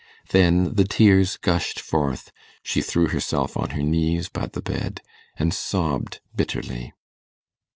Then the tears gushed forth, she threw herself on her knees by the bed, and sobbed bitterly.